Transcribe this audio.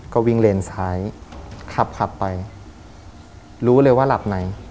ก็วิ่งเลนซ้ายขับขับไปรู้เลยว่าหลับไหน